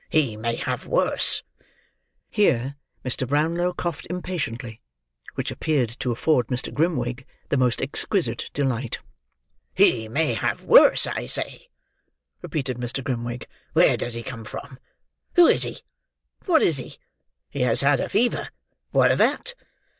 "He may have worse." Here, Mr. Brownlow coughed impatiently; which appeared to afford Mr. Grimwig the most exquisite delight. "He may have worse, I say," repeated Mr. Grimwig. "Where does he come from! Who is he? What is he? He has had a fever. What of that?